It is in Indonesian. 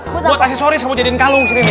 buat aksesoris kamu jadiin kalung disini